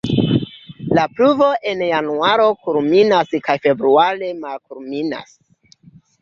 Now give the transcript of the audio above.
La pluvo en januaro kulminas kaj februare malkulminas.